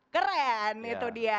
keren itu dia